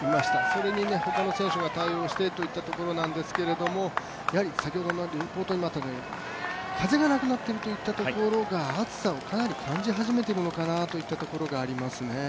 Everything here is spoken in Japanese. それに他の選手が対応してといったところなんですけどやはり風がなくなっているというところが、暑さをかなり感じ始めているのかなというところがありますね。